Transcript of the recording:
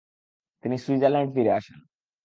তিনি সুইজারল্যান্ড ফিরে আসেন।